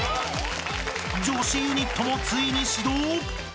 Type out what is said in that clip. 女子ユニットもついに始動？